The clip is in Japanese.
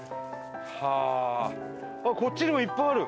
こっちにもいっぱいある。